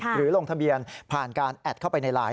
ลงทะเบียนผ่านการแอดเข้าไปในไลน์